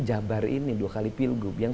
jabar ini dua kali pilgub yang